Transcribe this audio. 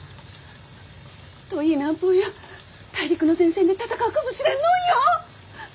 遠い南方や大陸の前線で戦うかもしれんのんよ！？